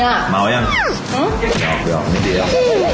มาแล้วยังอร่อยนิดเดียว